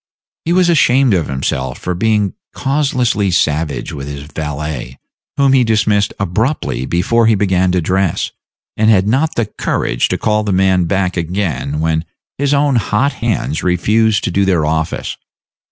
He was ashamed of himself for being causelessly savage with his valet, whom he dismissed abruptly before he began to dress, and had not the courage to call the man back again when his own hot hands refused to do their office.